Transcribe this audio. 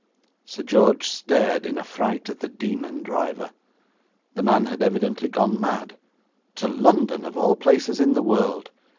Sir George stared in affright at the demon driver. The man had evidently gone mad. To London, of all places in the world.